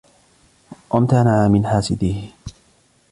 وَامْتَنَعَ مِنْ حَاسِدِيهِ